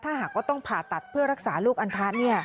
ถ้าหากว่าต้องผ่าตัดเพื่อรักษาลูกอันทะ